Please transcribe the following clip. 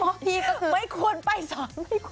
พ่อพี่ก็คือไม่ควรไปสน